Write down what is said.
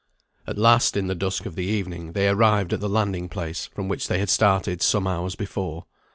At last, in the dusk of evening, they arrived at the landing place from which they had started some hours before.